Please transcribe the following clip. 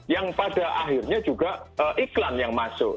yang pada akhirnya juga iklan yang masuk